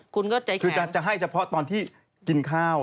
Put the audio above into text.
คุณก็ใจคือจะให้เฉพาะตอนที่กินข้าว